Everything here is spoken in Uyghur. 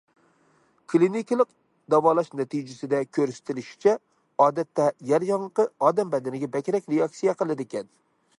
كىلىنىكىلىق داۋالاش نەتىجىسىدە كۆرسىتىلىشىچە، ئادەتتە يەر ياڭىقى ئادەم بەدىنىگە بەكرەك رېئاكسىيە قىلىدىكەن.